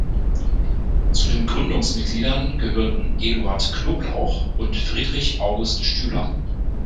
Zu den Gründungsmitgliedern gehörten Eduard Knoblauch und Friedrich August Stüler.